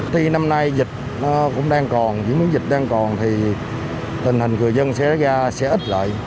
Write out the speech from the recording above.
tuy năm nay dịch cũng đang còn những dịch đang còn thì tình hình người dân sẽ ra sẽ ít lại